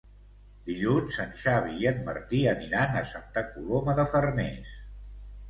Dilluns en Xavi i en Martí aniran a Santa Coloma de Farners.